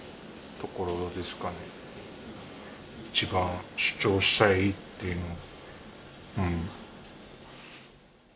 一番主張したいっていうのは。